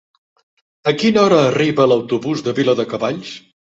A quina hora arriba l'autobús de Viladecavalls?